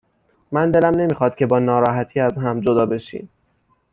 من دلم نمیخواد که با ناراحتی از هم جدا بشیم.